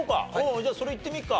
じゃあそれいってみるか。